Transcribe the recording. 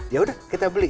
yaudah kita beli